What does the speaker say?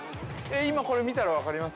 ◆今、これ見たら分かります？